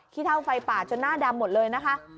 เท่าไฟป่าจนหน้าดำหมดเลยนะคะ